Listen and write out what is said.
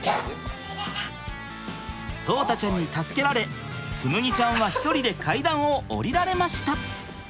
聡太ちゃんに助けられ紬ちゃんは１人で階段を下りられました。